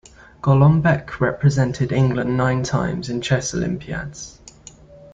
Golombek represented England nine times in chess Olympiads.